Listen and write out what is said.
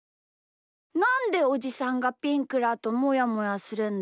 なんでおじさんがピンクだともやもやするんだ？